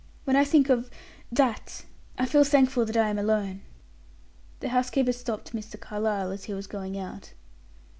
When I think of that I feel thankful that I am alone." The housekeeper stopped Mr. Carlyle as he was going out.